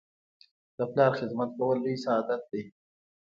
د پلار خدمت کول لوی سعادت دی.